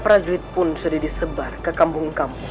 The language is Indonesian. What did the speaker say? para para duit pun sudah disebar kekampung kamu